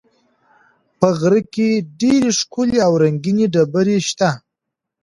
په غره کې ډېرې ښکلې او رنګینې ډبرې شته.